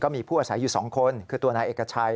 มีผู้อาศัยอยู่๒คนคือตัวนายเอกชัย